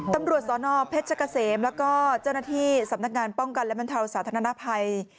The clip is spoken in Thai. ตำรวจสนเพชรเกษมแล้วก็เจ้าหน้าที่สำนักงานป้องกันและบรรเทาสาธารณภัย